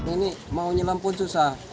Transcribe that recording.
ini mau nyelam pun susah